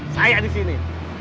saya di sini